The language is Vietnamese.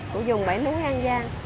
của vùng tể núi an giang